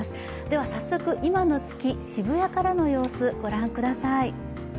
では早速、今の月、渋谷からの様子ご覧ください。